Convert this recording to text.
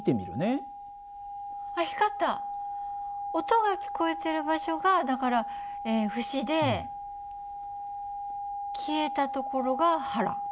音が聞こえてる場所がだから節で消えたところが腹。